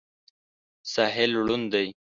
ساحل ړوند دی.